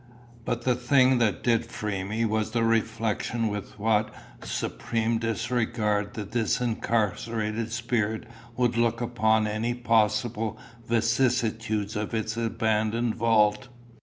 But the thing that did free me was the reflection with what supreme disregard the disincarcerated spirit would look upon any possible vicissitudes of its abandoned vault.